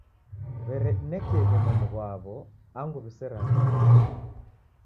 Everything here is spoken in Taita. W'eredinekieghe momu ghwaw'o angu w'iseragha iguri.